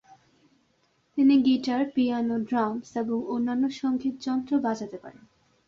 তিনি guitar, piano, drums এবং অন্যান্য সংগীত যন্ত্র বাজাতে পারেন।